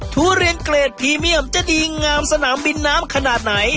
ทุเรียนเกรดพรีเมียมจะดีงามสนามบินน้ำขนาดไหน